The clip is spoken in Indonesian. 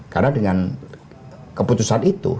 karena dengan keputusan itu